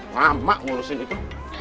lama ngurusin itu